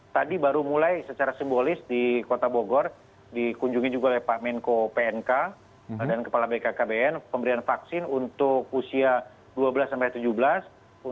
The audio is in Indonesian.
tadi baru mulai secara simbolis di kota bogor dikunjungi juga oleh pak menko pnk dan kepala bkkbn pemberian vaksin untuk usia dua belas sampai tujuh belas